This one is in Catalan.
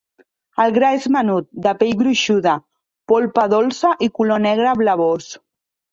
El gra és menut, de pell gruixuda, polpa dolça i color negre blavós.